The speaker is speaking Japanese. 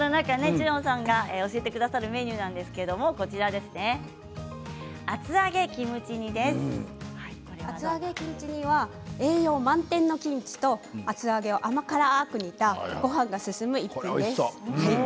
そんな中チュリョンさんが教えてくださるメニューは栄養満点なキムチと厚揚げを甘辛く煮たごはんが進む一品です。